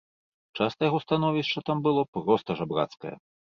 Часта яго становішча там было проста жабрацкае.